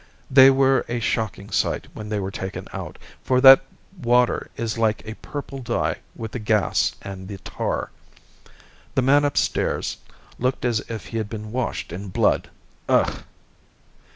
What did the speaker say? They were a shocking sight when they were taken out, for that water is like a purple dye with the gas and the tar. The man upstairs looked as if he had been washed in blood. Ugh!"